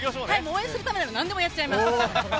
応援するためならなんでもやっちゃいます。